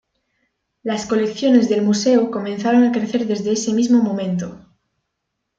Las colecciones del Museo comenzaron a crecer desde ese mismo momento.